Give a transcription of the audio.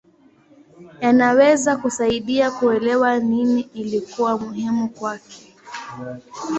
Yanaweza kusaidia kuelewa nini ilikuwa muhimu kwake.